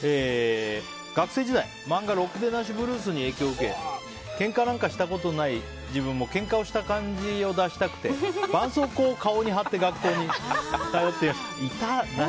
学生時代漫画「ろくでなしＢＬＵＥＳ」に影響を受けけんかなんかしたことない自分もけんかをした感じを出したくてばんそうこうを顔に貼って学校に通っていました。